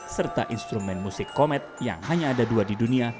serta instrumen musik komet yang hanya ada dua di dunia